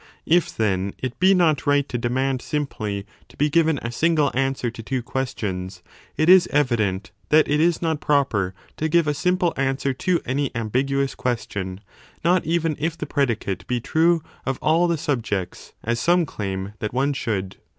If then it be not right to demand simply to be given a single answer to two questions, it is evident that it is not proper to give a simple answer to 5 any ambiguous question, not even if the predicate be true of all the subjects, as some claim that one should.